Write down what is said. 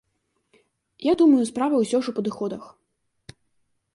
Я думаю, справа ўсё ж у падыходах.